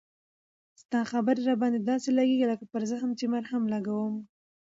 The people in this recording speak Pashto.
ستا خبري را باندي داسی لګیږي لکه پر زخم چې مرهم لګوې